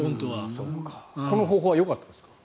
この方法はよかったですか？